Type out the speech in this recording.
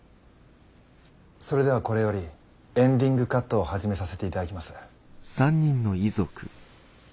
それではこれよりエンディングカットを始めさせていただきます。